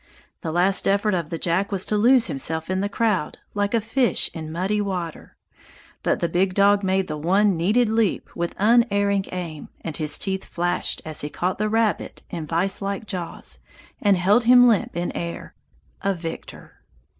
The last effort of the Jack was to lose himself in the crowd, like a fish in muddy water; but the big dog made the one needed leap with unerring aim and his teeth flashed as he caught the rabbit in viselike jaws and held him limp in air, a victor!